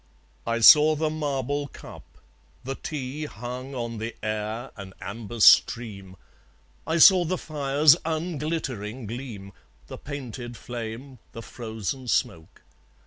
I saw the marble cup; the tea, Hung on the air, an amber stream; I saw the fire's unglittering gleam, The painted flame, the frozen smoke.